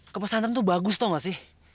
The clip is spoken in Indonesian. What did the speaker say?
kepesan tentu bagus tau gak sih